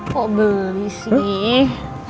kok beli sih